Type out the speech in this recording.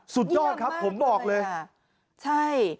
สุดยอดครับผมบอกเลยใช่